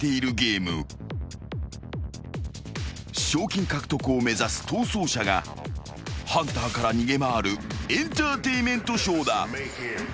［賞金獲得を目指す逃走者がハンターから逃げ回るエンターテインメントショーだ］